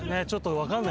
分かんない。